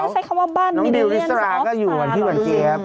น้องดิลอิสราก็อยู่กับพี่หวันเจี๊ยบ